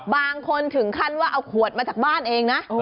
บางคนถึงขั้นว่าเอาขวดมาจากบ้านเองนะ